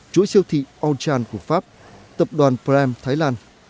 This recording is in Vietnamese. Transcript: chuỗi siêu thị allchan của pháp tập đoàn prime thái lan